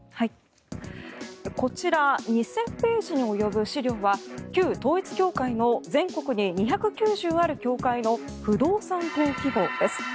こちら２０００ページに及ぶ資料は旧統一教会の全国に２９０ある教会の不動産登記簿です。